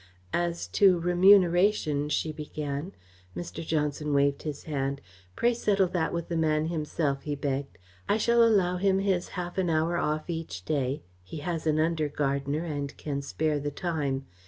"As to remuneration," she began Mr. Johnson waved his hand. "Pray settle that with the man himself," he begged. "I shall allow him his half an hour off each day he has an under gardener and can spare the time.